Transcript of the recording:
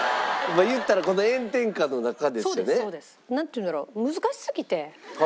まあいったらこの炎天下の中ですよね。なんていうんだろう難しすぎて。